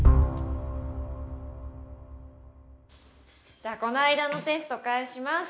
じゃあこのあいだのテストかえします。